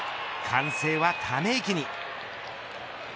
歓声はため息に。